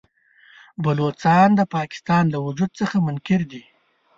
بلوڅان د پاکستان له وجود څخه منکر دي.